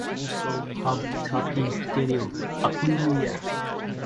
Semaphore signals still control movements around the station.